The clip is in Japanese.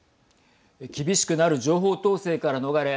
厳しくなる情報統制から逃れ